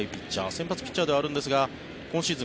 先発ピッチャーではあるんですが今シーズン